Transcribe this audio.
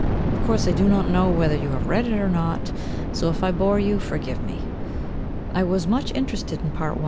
Of course I do not know whether you have read it or not, so if I bore you forgive me. I was much interested in Part I.